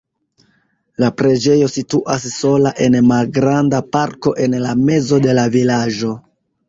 La preĝejo situas sola en malgranda parko en la mezo de la vilaĝo.